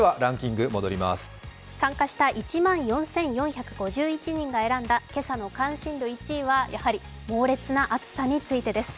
参加した１万４４５１人が選んだ今朝の関心度１位はやはり猛烈な暑さについてです。